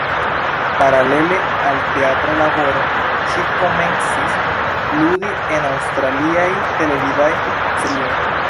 Paralele al teatra laboro, ŝi komencis ludi en aŭstraliaj televidaj serioj.